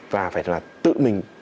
và phải là tự mình